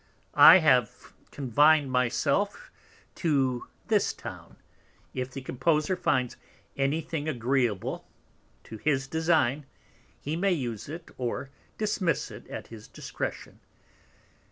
I have confined my self to this Town. If the Composer finds any thing agreeable to his Design, he may use it or dismiss it at his Discretion.